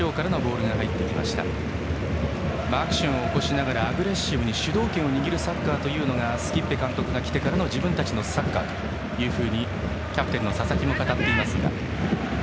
アクションを起こしながらアグレッシブに主導権を握るサッカーというのがスキッベ監督が来てからの自分たちのサッカーだとキャプテンの佐々木も語っています。